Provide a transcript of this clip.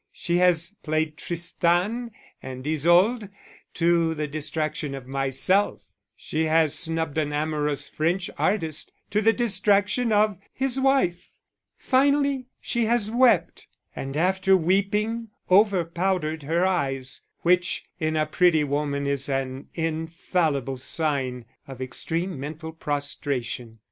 she has played Tristan and Isolde to the distraction of myself; she has snubbed an amorous French artist to the distraction of his wife; finally she has wept, and after weeping over powdered her eyes, which in a pretty woman is an infallible sign of extreme mental prostration.